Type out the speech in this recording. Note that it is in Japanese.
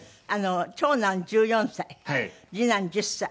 長男１４歳次男１０歳。